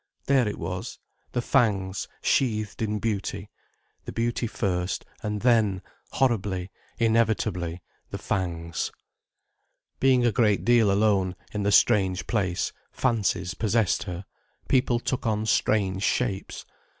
There it was: the fangs sheathed in beauty: the beauty first, and then, horribly, inevitably, the fangs. Being a great deal alone, in the strange place, fancies possessed her, people took on strange shapes.